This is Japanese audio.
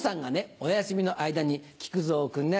お休みの間に木久蔵君ね